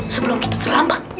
sebelum kita terlambat